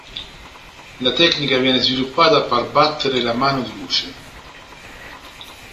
La tecnica viene sviluppata par battere la "Mano di Luce".